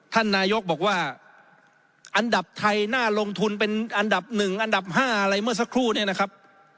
ท่านนายกบอกว่าอันดับไทยน่าลงทุนเป็นอันดับ๑อันดับ๕อะไรเมื่อสักครู่เนี่ยนะครับ